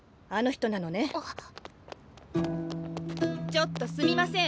ちょっとすみません。